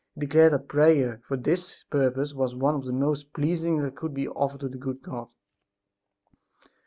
He declared that prayer for this purpose was one of the most pleasing that could be offered to the good God.